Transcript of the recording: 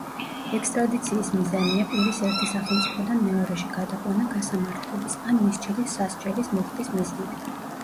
ექსტრადიციის მიზანია პირის ერთი სახელმწიფოდან მეორეში გადაყვანა გასამართლების ან მისჯილი სასჯელის მოხდის მიზნით.